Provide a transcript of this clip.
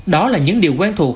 đó là những điều quen thuộc